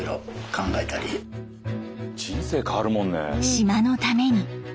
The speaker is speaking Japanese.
島のために。